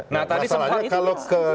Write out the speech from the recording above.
nah tadi sempat itu ya